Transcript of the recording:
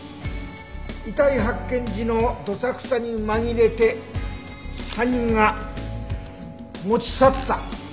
遺体発見時のどさくさに紛れて犯人が持ち去った。